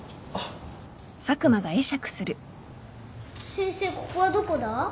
先生ここはどこだ？